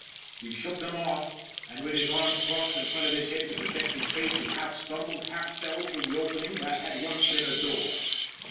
He shook them off, and with his arms crossed in front of his head to protect his face he half stumbled, half fell through the opening that had once been a door.